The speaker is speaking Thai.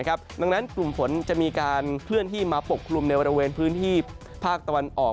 ดังนั้นกลุ่มฝนจะมีการเคลื่อนที่มาปกคลุมในบริเวณพื้นที่ภาคตะวันออก